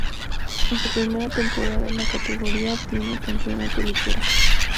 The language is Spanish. En su primera temporada en la categoría obtiene el campeonato liguero.